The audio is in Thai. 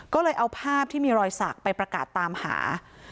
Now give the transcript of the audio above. ก็เลยเอาภาพที่มีรอยสักไปประกาศตามหา